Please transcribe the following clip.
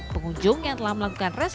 pengunjung yang telah melakukan res